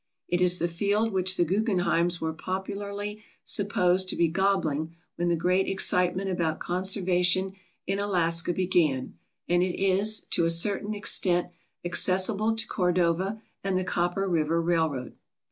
It is the field which the Guggenheims were popularly supposed to be gobbling when the great excite ment about conservation in Alaska began, and it is, to a certain extent, accessible to Cordova and the Copper River Railroad.